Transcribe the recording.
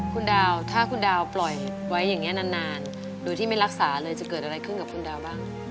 คุณดาวถ้าคุณดาวปล่อยไว้อย่างนี้นานโดยที่ไม่รักษาเลยจะเกิดอะไรขึ้นกับคุณดาวบ้าง